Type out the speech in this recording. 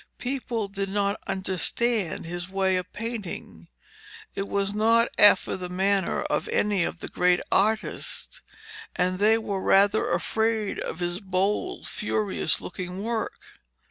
People did not understand his way of painting. It was not after the manner of any of the great artists, and they were rather afraid of his bold, furious looking work.